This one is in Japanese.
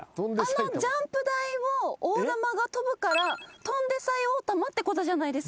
あのジャンプ台を大玉が翔ぶから「翔んで埼大玉」ってことじゃないですか？